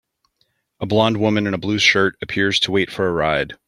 A blond woman in a blue shirt appears to wait for a ride.